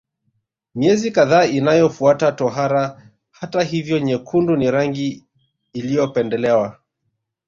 Miezi kadhaa inayofuata tohara hata hivyo nyekundu ni rangi iliyopendelewa